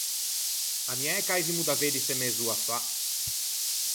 Ammiæ ch’aivimo da veddise mez’oa fa!